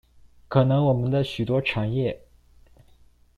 可能我們的許多產業